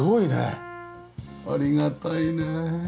ありがたいね。